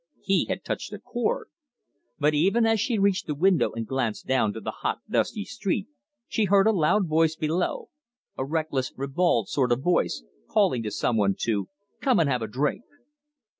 He had touched a chord. But even as she reached the window and glanced down to the hot, dusty street, she heard a loud voice below, a reckless, ribald sort of voice, calling to some one to, "Come and have a drink."